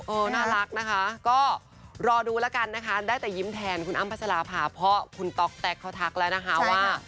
น่ารักนะคะก็รอดูแล้วกันนะคะได้แต่ยิ้มแทนคุณอ้ำพัชราภาเพราะคุณต๊อกแต๊กเขาทักแล้วนะคะว่า